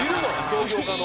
商業科の。